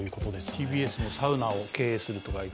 ＴＢＳもサウナを経営すると。